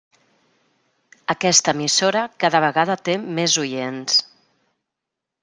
Aquesta emissora cada vegada té més oients.